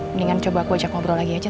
mendingan coba aku ajak ngobrol lagi aja